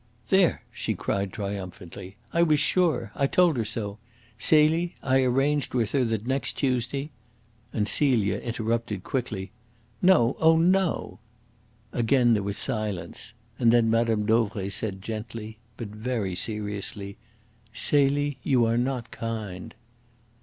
"There!" she cried triumphantly. "I was sure. I told her so. Celie, I arranged with her that next Tuesday " And Celia interrupted quickly. "No! Oh, no!" Again there was silence; and then Mme. Dauvray said gently, but very seriously: "Celie, you are not kind."